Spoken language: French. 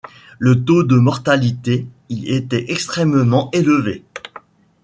Le taux de mortalité y était extrêmement élevé.